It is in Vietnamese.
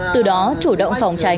từ đó chủ động phòng tránh